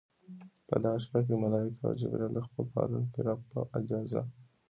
په دغه شپه کې ملائک او جبريل د خپل پالونکي رب په اجازه